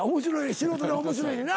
素人で面白いねんな？